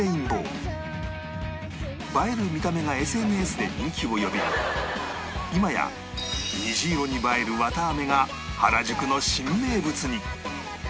映える見た目が ＳＮＳ で人気を呼び今や虹色に映えるわたあめが原宿の新名物に